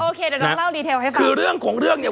โอเคเดี๋ยวน้องเล่าดีเทลให้ฟัง